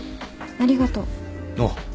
ありがとう。